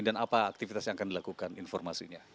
apa aktivitas yang akan dilakukan informasinya